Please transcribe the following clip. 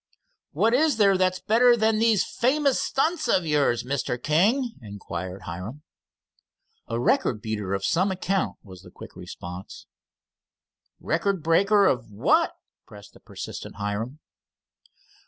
"What is there that's better than these famous stunts of yours, Mr. King?" inquired Hiram. "A record beater of some account," was the quick response. "Record breaker of what?" pressed the persistent Hiram.